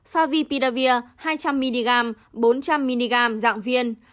favipidavir hai trăm linh mg bốn trăm linh mg dạng viên